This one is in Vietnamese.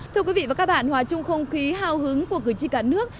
thưa quý vị và các bạn hòa chung không khí hào hứng của cử tri cả nước